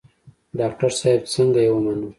ډاکتر صاحب څنګه يې ومنم.